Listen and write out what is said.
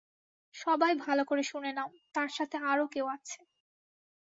সবাই ভালো করে শুনে নাও, তার সাথে আরো কেউ আছে।